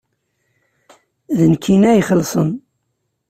D nekkni ad ixellṣen.